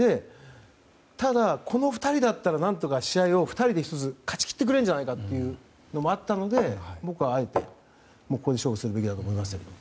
ただ、この２人だったら何とか試合を勝ち切ってくれるんじゃないかというのもあったので僕はあえて、ここで勝負するべきだと思いました。